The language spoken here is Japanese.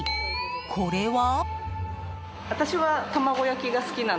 これは。